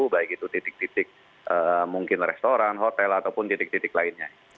baik itu titik titik mungkin restoran hotel ataupun titik titik lainnya